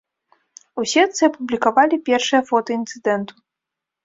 У сетцы апублікавалі першыя фота інцыдэнту.